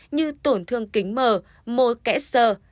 như tổn thương kính mờ môi kẽ sơ